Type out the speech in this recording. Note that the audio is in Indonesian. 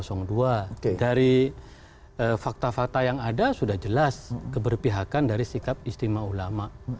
dari fakta fakta yang ada sudah jelas keberpihakan dari sikap istimewa ulama